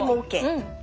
うん。